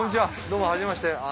どうもはじめまして。